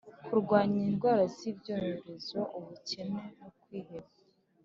Kurwanya indwara z ibyorezo ubukene no kwiheba